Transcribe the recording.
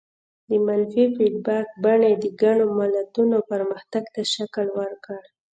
د منفي فیډبک بڼې د ګڼو ملتونو پرمختګ ته شکل ورکړ.